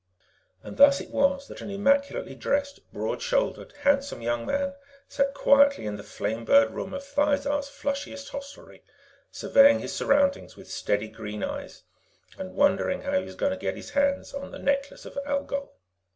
And thus it was that an immaculately dressed, broad shouldered, handsome young man sat quietly in the Flamebird Room of Thizar's flushiest hostelry surveying his surroundings with steady green eyes and wondering how he was going to get his hands on the Necklace of Algol.